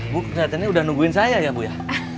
bu kelihatannya udah nungguin saya ya bu ya